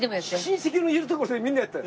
親戚のいるとこでみんなやった。